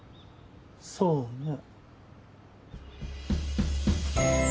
そうね。